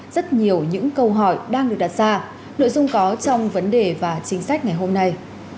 rất nhiều những câu hỏi đang được đặt ra nội dung có trong vấn đề và chính sách ngày hôm nay